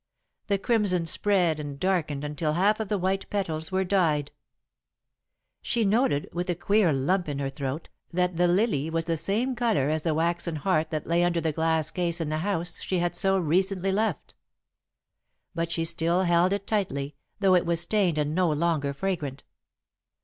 The crimson spread and darkened until half of the white petals were dyed. She noted, with a queer lump in her throat, that the lily was the same colour as the waxen heart that lay under the glass case in the house she had so recently left. But she still held it tightly, though it was stained and no longer fragrant.